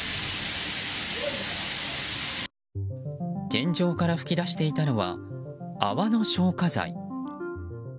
天井から噴き出していたのは泡の消火剤。